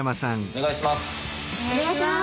お願いします。